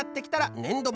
ねんどは。